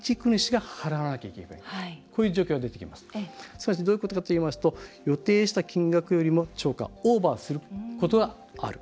すなわちどういうことかといいますと予定した金額よりも超過オーバーすることがある。